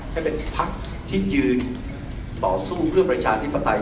ให้เป็นพักที่ยืนต่อสู้เพื่อประชาธิปไตย